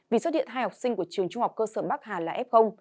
vì xuất hiện hai học sinh của trường trung học cơ sở bắc hà là f